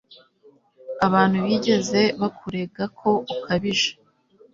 Abantu bigeze bakurega ko ukabije?